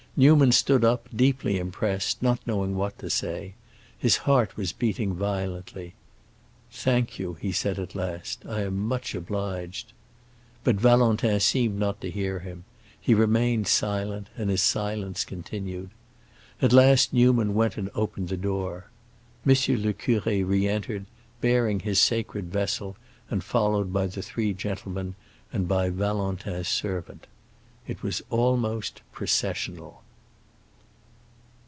Newman stood up, deeply impressed, not knowing what to say; his heart was beating violently. "Thank you," he said at last. "I am much obliged." But Valentin seemed not to hear him, he remained silent, and his silence continued. At last Newman went and opened the door. M. le Curé re entered, bearing his sacred vessel and followed by the three gentlemen and by Valentin's servant. It was almost processional.